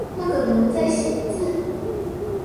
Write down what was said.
那個人在寫字